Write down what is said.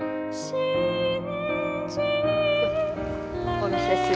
お見せする。